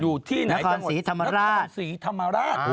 อยู่ที่ไหนต้องกดนางดาลศรีธรรมราช